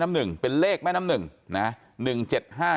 ความปลอดภัยของนายอภิรักษ์และครอบครัวด้วยซ้ำ